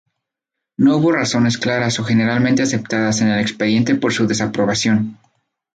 No hubo razones claras o generalmente aceptadas en el expediente por su desaprobación.